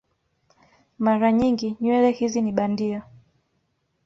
Mara nyingi nywele hizi ni bandia.